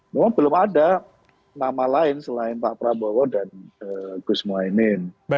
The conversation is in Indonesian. memang belum ada nama lain selain pak prabowo dan gus mohaimin